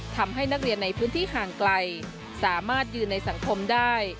ทำให้นักเรียนในพื้นที่ห่างไกลสามารถยืนในสังคมได้